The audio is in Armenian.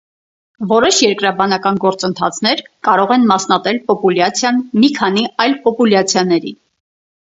Որոշ երկրաբանական գործընթացներ կարող են մասնատել պոպուլյացիան մի քանի այլ պոպուլյացիաների։